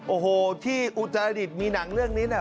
โอ้โหที่อุตราอดิษฐ์มีหนังเรื่องนี้